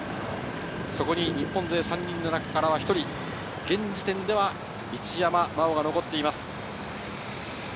そこに日本勢３人の中から１人、現時点では一山麻緒が残っています。